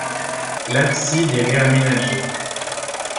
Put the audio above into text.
L'abside est réaménagée.